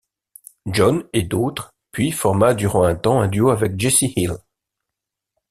John et d'autres, puis forma durant un temps un duo avec Jessie Hill.